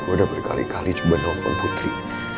gue udah berkali kali coba novel putri